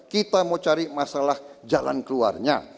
kita mau cari masalah jalan keluarnya